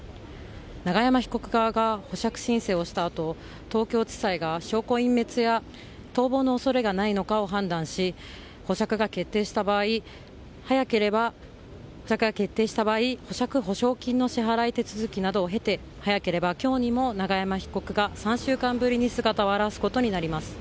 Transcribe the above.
永山被告側が保釈申請をしたあと東京地裁が証拠隠滅や逃亡の恐れがないのかを判断し保釈が決定した場合保釈保証金の支払い手続きなどを経て早ければ今日にも永山被告が３週間ぶりに姿を現すことになります。